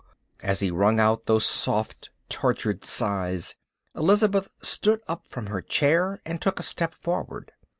As he wrung out those soft, tortured sighs, Elizabeth stood up from her chair and took a step forward.